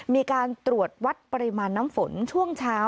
มีการตรวจวัดปริมาณน้ำฝนช่วงเช้า